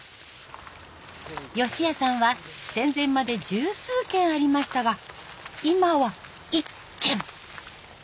ヨシ屋さんは戦前まで十数軒ありましたが今は１軒。